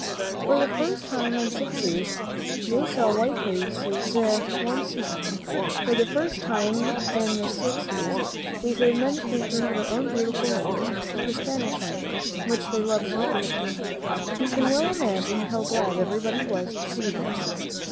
For the first time in six years they saw white faces once more; for the first time in six years they heard men speaking their own beauti ful language, the Spanish language, which they loved so dearly. You can well imagine how glad everybody was to see them.